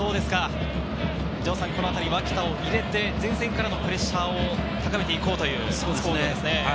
城さん、このあたり脇田を入れて、前線からのプレッシャーを高めて行こうということですね。